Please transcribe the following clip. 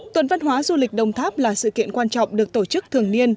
tuần văn hóa du lịch đồng tháp là sự kiện quan trọng được tổ chức thường niên